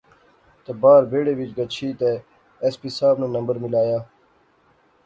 تے باہر بیڑے وچ گچھی تہ ایس پی صاحب ناں نمبر ملایا